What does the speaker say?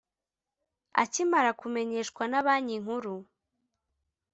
akimara kumenyeshwa na banki nkuru